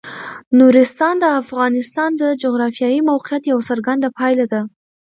نورستان د افغانستان د جغرافیایي موقیعت یوه څرګنده پایله ده.